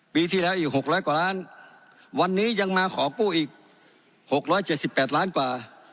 ปีที่แล้วอีกหกร้อยกว่าล้านวันนี้ยังมาขอกู้อีกหกร้อยเจ็ดสิบแปดล้านกว่า